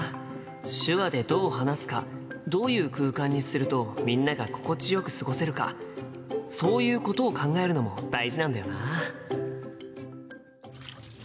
手話でどう話すかどういう空間にするとみんなが心地よく過ごせるかそういうことを考えるのも大事なんだよな。